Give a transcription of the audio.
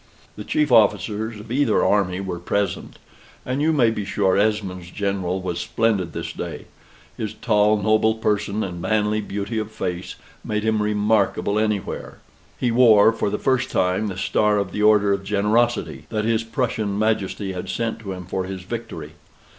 The chief officers of either army were present; and you may be sure Esmond's General was splendid this day: his tall noble person, and manly beauty of face, made him remarkable anywhere; he wore, for the first time, the star of the Order of Generosity, that his Prussian Majesty had sent to him for his victory.